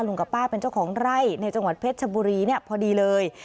กับป้าเป็นเจ้าของไร่ในจังหวัดเพชรชบุรีเนี่ยพอดีเลย